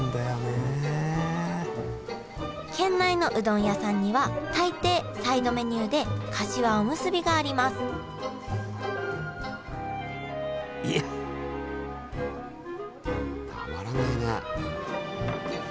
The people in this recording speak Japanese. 県内のうどん屋さんには大抵サイドメニューでかしわおむすびがありますたまらないね。